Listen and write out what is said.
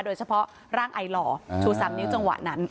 โดยเฉพาะร่างไอหล่อชู๓นิ้วจังหวะนั้น